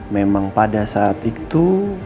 memang pada saat itu